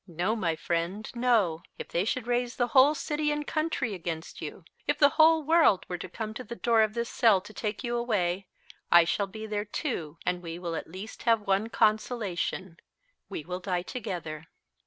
No, my friend, no. If they should raise the whole city and country against you if the whole world would come to the door of this cell to take you away, I shall be there, too, and we will at least have one consolation we will die together."